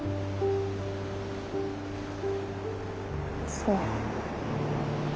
そう。